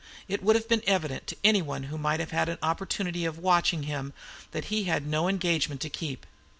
It would have been evident to anyone who might have had an opportunity of watching him that he had no engagement to keep.